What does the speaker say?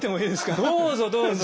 どうぞどうぞ。